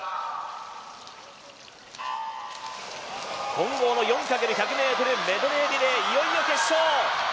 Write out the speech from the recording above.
混合４×１００ｍメドレーリレーいよいよ決勝。